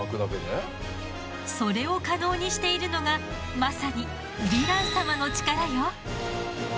それを可能にしているのがまさにヴィラン様の力よ。